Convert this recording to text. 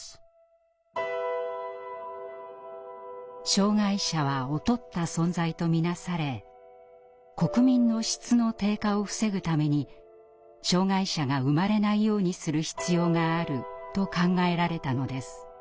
障害者は劣った存在と見なされ国民の質の低下を防ぐために障害者が産まれないようにする必要があると考えられたのです。